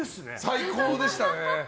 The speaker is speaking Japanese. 最高でしたね。